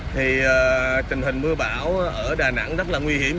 thì tình hình mưa bão ở đà nẵng rất là nguy hiểm